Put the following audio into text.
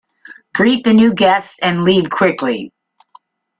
Greet the new guests and leave quickly.